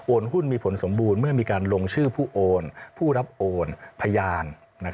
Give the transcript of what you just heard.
หุ้นมีผลสมบูรณ์เมื่อมีการลงชื่อผู้โอนผู้รับโอนพยาน